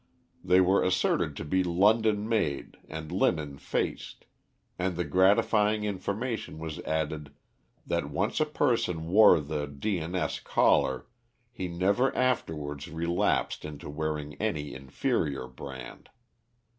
They were asserted to be London made and linen faced, and the gratifying information was added that once a person wore the D. and S. collar he never afterwards relapsed into wearing any inferior brand.